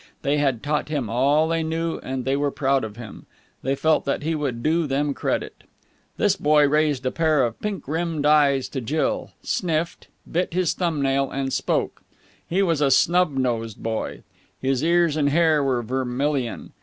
They had taught him all they knew, and they were proud of him. They felt that he would do them credit. This boy raised a pair of pink rimmed eyes to Jill, sniffed, bit his thumb nail, and spoke. He was a snub nosed boy. His ears and hair were vermilion.